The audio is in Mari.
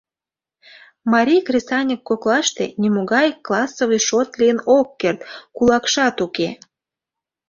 — Марий кресаньык коклаште нимогай классовый шот лийын ок керт, кулакшат уке...